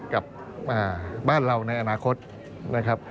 กับบ้านเราในอนาคตนะครับ